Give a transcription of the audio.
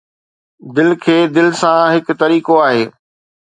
دل کي دل سان هڪ طريقو آهي